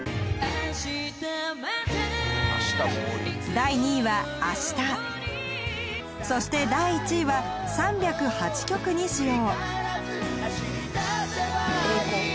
第２位は「明日」そして第１位は３０８曲に使用